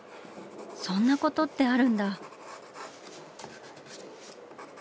そんなことってあるんだ。